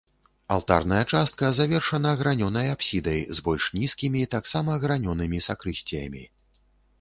Алтарная частка завершана гранёнай апсідай, з больш нізкімі, таксама гранёнымі, сакрысціямі.